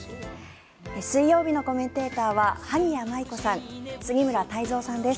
水曜日のコメンテーターは萩谷麻衣子さん杉村太蔵さんです。